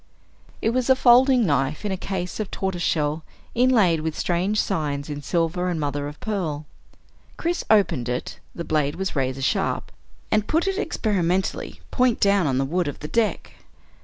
It was a folding knife in a case of tortoise shell inlaid with strange signs in silver and mother of pearl. Chris opened it the blade was razor sharp and put it experimentally point down on the wood of the deck.